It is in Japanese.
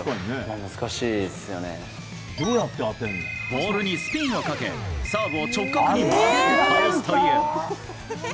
ボールにスピンをかけサーブを直角に曲げて倒すという。